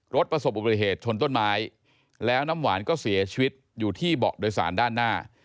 ประสบอุบัติเหตุชนต้นไม้แล้วน้ำหวานก็เสียชีวิตอยู่ที่เบาะโดยสารด้านหน้า